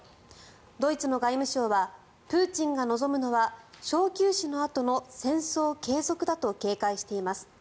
ドイツの外務省はプーチンが望むのは小休止のあとの戦争継続だと警戒しています。